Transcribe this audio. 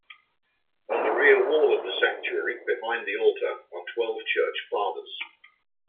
On the rear wall of the sanctuary, behind the altar, are Twelve Church Fathers.